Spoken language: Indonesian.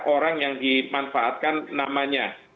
orang yang dimanfaatkan namanya